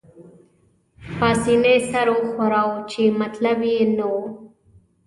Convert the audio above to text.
پاسیني سر وښوراوه، چې مطلب يې نه وو.